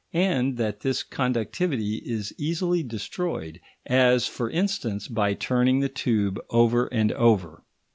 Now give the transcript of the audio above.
and that this conductivity is easily destroyed; as, for instance, by turning the tube over and over.